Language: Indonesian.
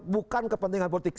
bukan kepentingan politik